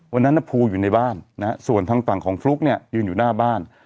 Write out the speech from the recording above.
วันนั้นภูอยู่ในบ้านนะฮะส่วนทางฝั่งของฟลุ๊กเนี่ยยืนอยู่หน้าบ้าน